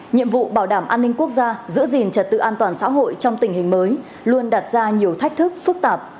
nhiệm vụ bảo đảm an ninh quốc gia giữ gìn trật tự an toàn xã hội trong tình hình mới luôn đặt ra nhiều thách thức phức tạp